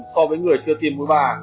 so với người chưa tiêm mũi ba